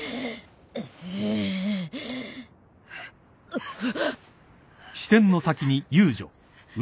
あっ。